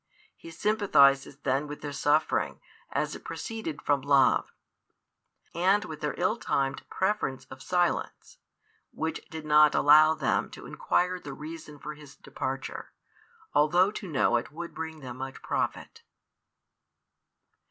He sympathises then with their suffering, as it proceeded from love; and with their ill timed preference of silence, which did not allow them to inquire the reason for His departure, although to know it would bring them much profit.